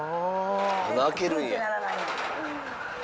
穴開けるんや。